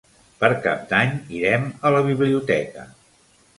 Per Cap d'Any irem a la biblioteca.